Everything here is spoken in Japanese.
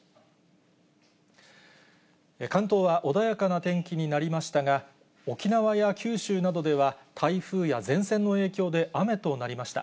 関東は穏やかな天気になりましたが、沖縄や九州などでは、台風や前線の影響で雨となりました。